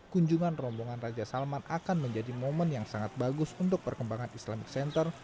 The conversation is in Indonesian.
kunjungan rombongan raja salman akan menjadi momen yang sangat bagus untuk perkembangan islamic center